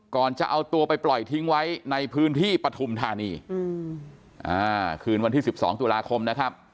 ก่อนจะเอาตัวไปปล่อยทิ้งไว้ในพื้นที่ปฐุมธานีคืนวันที่๑๒ตุลาคมนะครับ